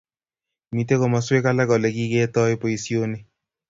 Mitei komoswek alak Ole kiketoi boisioni